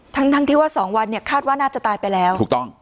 ทั้งที่ว่า๒วันเนี่ยคาดว่าน่าจะตายไปแล้วถูกต้อง